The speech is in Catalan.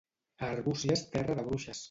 A Arbúcies, terra de bruixes.